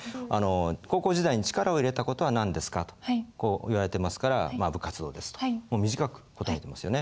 「高校時代に力を入れたことは、何ですか？」とこう言われてますから「部活動です。」と。短く答えてますよね。